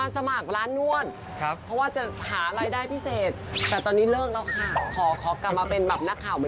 สวัสดีครับ